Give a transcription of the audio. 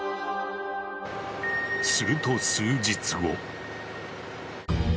すると数日後。